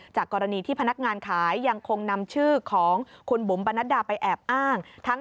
กรณีที่พนักงานขายยังคงนำชื่อของคุณบุ๋มปนัดดาไปแอบอ้าง